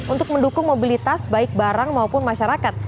untuk mendukung mobilitas baik barang maupun masyarakat